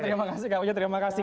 terima kasih kak ujang terima kasih